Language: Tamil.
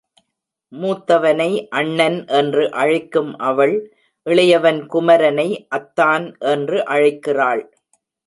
மூத்தவனை அண்ணன் என்று அழைக்கும் அவள், இளையவன் குமரனை அத்தான் என்று அழைக்கிறாள்.